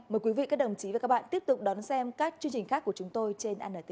mời quý vị các đồng chí và các bạn tiếp tục đón xem các chương trình khác của chúng tôi trên anntv